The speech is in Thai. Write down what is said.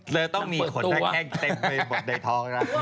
เธอต้องมีขนแท่งเต็มไปหมดในท้องนะ